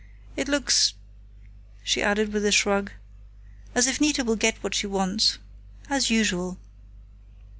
It looks," she added with a shrug, "as if Nita will get what she wants as usual."